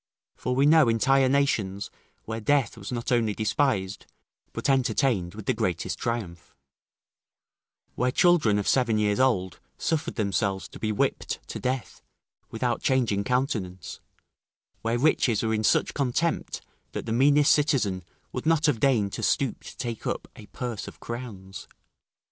For we know entire nations, where death was not only despised, but entertained with the greatest triumph; where children of seven years old suffered themselves to be whipped to death, without changing countenance; where riches were in such contempt, that the meanest citizen would not have deigned to stoop to take up a purse of crowns.